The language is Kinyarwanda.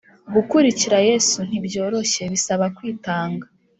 Gukurikira Yesu ntibyoroshye bisaba kwitanga